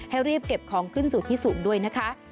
ให้รีบเก็บของขึ้นสู่ที่สูงด้วยนะคะ